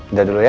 udah dulu ya